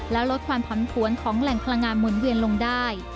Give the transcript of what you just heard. แล้วลดความผันผวนของแหล่งพลังงานหมุนเวียนลงได้